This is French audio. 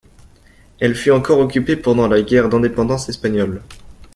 Elle fut encore occupée pendant la Guerre d'indépendance espagnole.